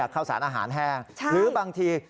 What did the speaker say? ข้าวสารอาหารแห้งหรือบางที